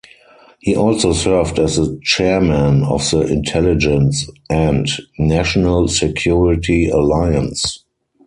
He also served as the Chairman of the Intelligence and National Security Alliance.